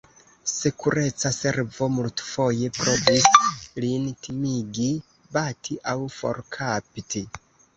Sekureca Servo multfoje provis lin timigi, bati aŭ forkapti.